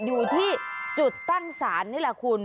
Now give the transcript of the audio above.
อยู่ที่จุดตั้งศาลนี่แหละคุณ